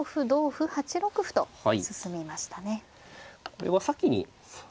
これは先に。